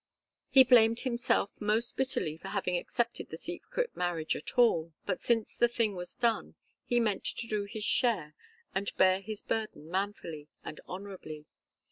He blamed himself most bitterly for having accepted the secret marriage at all, but since the thing was done, he meant to do his share and bear his burden manfully and honourably.